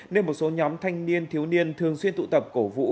nên một số nhóm thanh niên thiếu niên thường xuyên tụ tập cổ vũ